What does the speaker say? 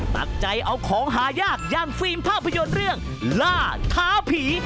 ตั้งใจเอาของหายากอย่างฟิล์มภาพยนตร์เรื่องล่าท้าผี